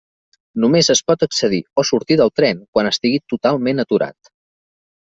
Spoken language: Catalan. Només es pot accedir o sortir del tren quan estigui totalment aturat.